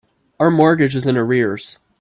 Our mortgage is in arrears.